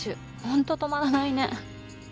本当止まらないね。